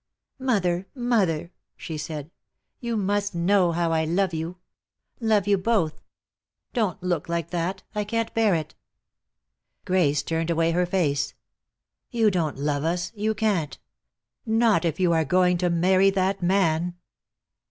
"Mother, mother," she said, "you must know how I love you. Love you both. Don't look like that. I can't bear it." Grace turned away her face. "You don't love us. You can't. Not if you are going to marry that man."